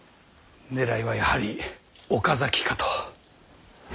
狙いはやはり岡崎かと。